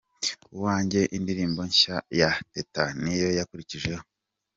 Uwanjye’ indirimbo nshya ya Teta niyo yakurikijeho.